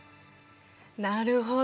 なるほど。